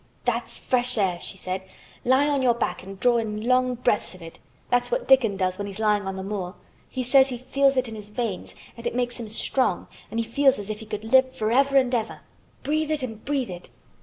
"That's fresh air," she said. "Lie on your back and draw in long breaths of it. That's what Dickon does when he's lying on the moor. He says he feels it in his veins and it makes him strong and he feels as if he could live forever and ever. Breathe it and breathe it."